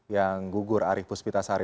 yang gugur arih puspita sari